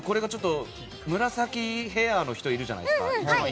紫ヘアーの人いるじゃないですか。